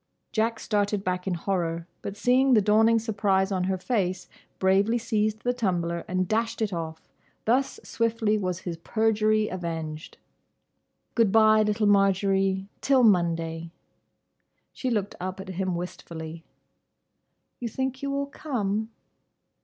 Jack started back in horror, but seeing the dawning surprise on her face, bravely seized the tumbler and dashed it off. Thus swiftly was his perjury avenged. "Good bye, little Marjory. Till Monday!" She looked up at him wistfully. "You think you will come?"